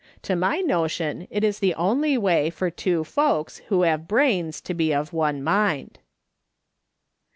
To my notion, it is the only way, for two folks, who both have brains, to be of one mind."